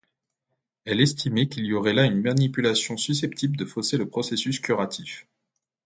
Elle estimait qu’il y aurait là une manipulation susceptible de fausser le processus curatif.